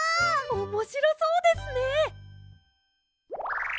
おもしろそうですね。